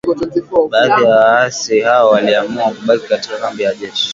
Baadhi ya waasi hao waliamua kubaki katika kambi ya jeshi